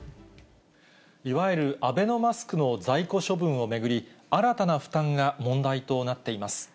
いわゆるアベノマスクの在庫処分を巡り、新たな負担が問題となっています。